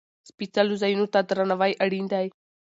سپېڅلو ځایونو ته درناوی اړین دی.